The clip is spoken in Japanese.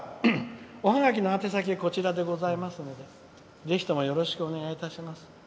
おハガキ、宛先はこちらでございますのでぜひ、よろしくお願いいたします。